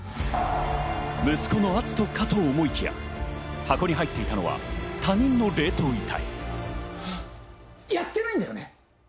息子の篤斗かと思いきや、箱に入っていたのはやってないんだよね？